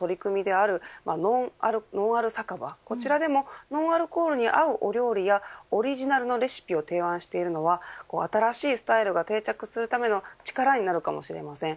ある酒場をこちらでもノンアルコールに合うお料理やオリジナルのレシピを提案しているのは新しいスタイルが定着するための力になるかもしれません。